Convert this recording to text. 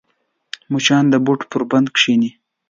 مچان د بوټ پر بند کښېني